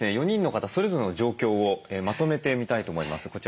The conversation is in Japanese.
４人の方それぞれの状況をまとめてみたいと思います。